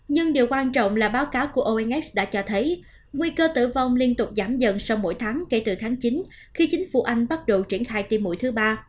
nhưng điều quan trọng là báo cáo của onx đã cho thấy nguy cơ tử vong liên tục giảm dần sau mỗi tháng kể từ tháng chín khi chính phủ anh bắt đầu triển khai tiêm mũi thứ ba